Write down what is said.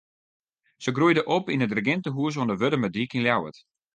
Se groeide op yn in regintehûs oan de Wurdumerdyk yn Ljouwert.